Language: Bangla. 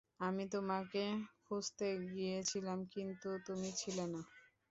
আমি তোমাকে খুঁজতে গিয়েছিলাম, কিন্তু তুমি ছিলে না।